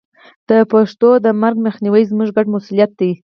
د پښتو د مرګ مخنیوی زموږ ګډ مسوولیت دی.